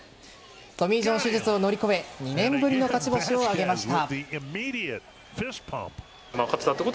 トミー・ジョン手術を乗り越え２年ぶりの勝ち星を挙げました。